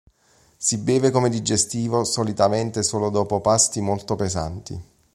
Si beve come digestivo, solitamente solo dopo pasti molto pesanti.